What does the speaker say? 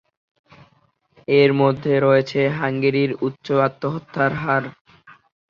এর মধ্যে রয়েছে হাঙ্গেরির উচ্চ আত্মহত্যার হার।